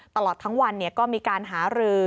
ตลอดทั้งวันก็มีการหารือ